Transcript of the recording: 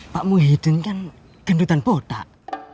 pak muhyiddin kan gendutan botak